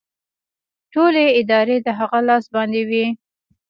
ټولې ادارې د هغه لاس باندې وې